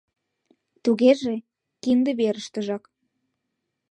Тугеже, кинде верыштыжак.